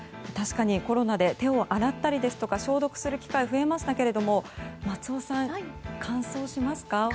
確かにコロナで手を洗ったりですとか消毒する機会が増えましたけれども松尾さん、乾燥しますか？